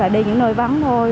đi những nơi vắng thôi